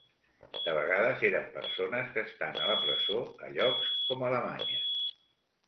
De vegades eren persones que estan a la presó a llocs com Alemanya.